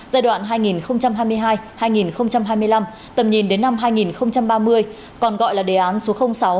giai đoạn hai nghìn hai mươi hai hai nghìn hai mươi năm tầm nhìn đến năm hai nghìn ba mươi còn gọi là đề án số sáu